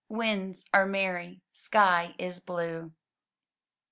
Winds are merry, sky is blue.